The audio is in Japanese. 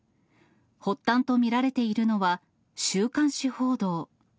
発端と見られているのは、週刊誌報道。